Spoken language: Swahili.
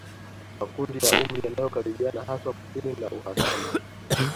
Makundi ya umri yanayokaribiana haswa kusini na uhasama